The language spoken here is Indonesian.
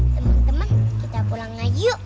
teman teman kita pulanglah yuk